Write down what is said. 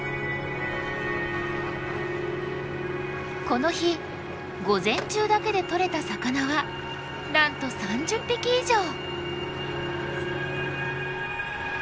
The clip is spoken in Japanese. この日午前中だけでとれた魚はなんと３０匹以上！